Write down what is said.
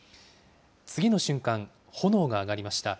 次の瞬間、炎があがりました。